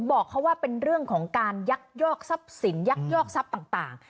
บอกเขาว่าเป็นเรื่องของการยักยอกซับสิงยักยอกซับต่าง